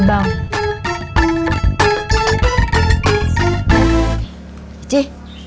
nanti pulangnya gak usah jemput